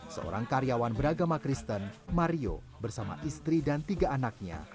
seorang karyawan beragama kristen mario bersama istri dan tiga anaknya